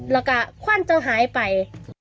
แล้วก็ควันจนหายไป